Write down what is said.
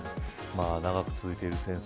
長く続いている戦争